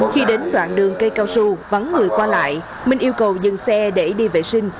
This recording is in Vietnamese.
khi đến đoạn đường cây cao su vắng người qua lại minh yêu cầu dừng xe để đi vệ sinh